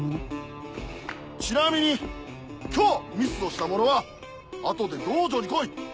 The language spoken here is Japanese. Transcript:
ちなみに今日ミスをした者は後で道場に来い！